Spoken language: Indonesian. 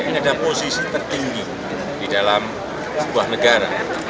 ini ada posisi tertinggi di dalam sebuah negara